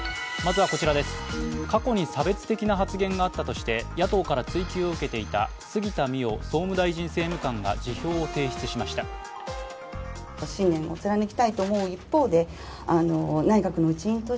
過去に差別的な発言があったとして野党から追及を受けていた杉田水脈総務大臣政務官が辞表を提出しました。